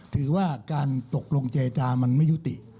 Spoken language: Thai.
ถือว่าการตกลงเจจามันไม่ยุติ